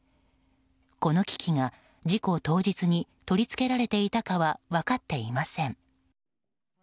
この機器が、事故当日に取り付けられていたかは分かっていません。